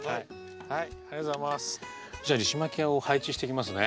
じゃあリシマキアを配置していきますね。